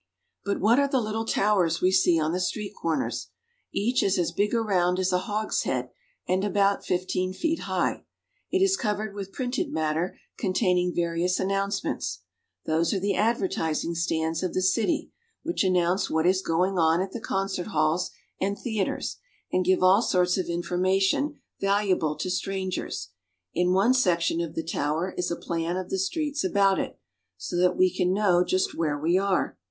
But what are the little towers we see on the street corners ! Each is as big around as a hogshead, and about fifteen feet high ; it is covered with printed matter containing various announcements. Those are the advertising stands of the city, which announce CARP. EUROPE — 13 — it is covered with printed matter." 206 GERMANY. what is going on at the concert halls and theaters, and give all sorts of information valuable to strangers. In one section of the tower is a plan of the streets about it, so that we can know just where we are.